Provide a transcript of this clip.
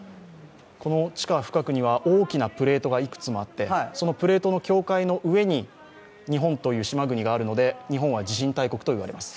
地下深くには大きなプレートがいくつもあって、そのプレートの境界の上に日本という島国があるので、日本は地震大国と言われます。